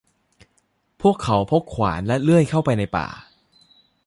พวกเขาพกขวานและเลื่อยเข้าไปในป่า